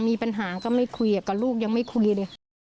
มีปัญหาก็ไม่คุยกับลูกยังไม่คุยเลย